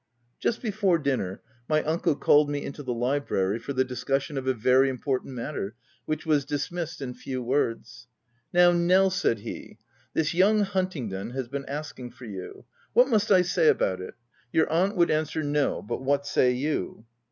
Just before dinner my uncle called me into the library for the discussion of a very impor tant matter, which was dismissed in few words. " Now Nel," said he, " This young Hunting don has been asking for you : what must I say about it ? Your aunt would answer c No ■— but w r hatsay you?"